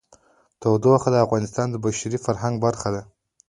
تودوخه د افغانستان د بشري فرهنګ برخه ده.